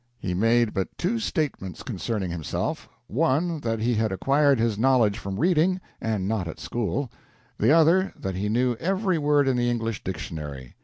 He made but two statements concerning himself: one, that he had acquired his knowledge from reading, and not at school; the other, that he knew every word in the English dictionary.